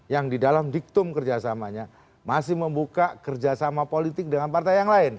yang di dalam diktum kerjasamanya masih membuka kerjasama politik dengan partai yang lain